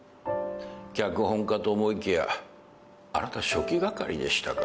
脚本家と思いきやあなた書記係でしたか。